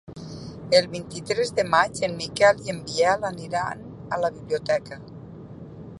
El vint-i-tres de maig en Miquel i en Biel aniran a la biblioteca.